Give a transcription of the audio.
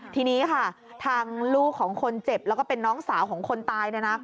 ทีนี้ค่ะทางลูกของคนเจ็บแล้วก็เป็นน้องสาวของคนตาย